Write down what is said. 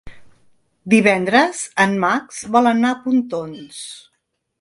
Divendres en Max vol anar a Pontons.